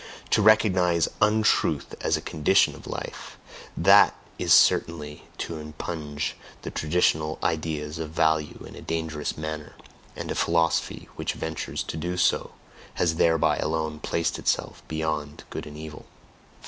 TO RECOGNISE UNTRUTH AS A CONDITION OF LIFE; that is certainly to impugn the traditional ideas of value in a dangerous manner, and a philosophy which ventures to do so, has thereby alone placed itself beyond good and evil.